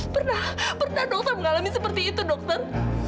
pernah pernah dokter mengalami seperti itu dokter